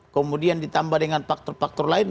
kemudian ditambah dengan faktor faktor lain